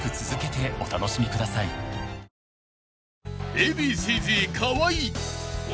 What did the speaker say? ［Ａ．Ｂ．Ｃ−Ｚ河合鬼